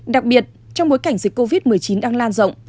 đặc biệt trong bối cảnh dịch covid một mươi chín đang lan rộng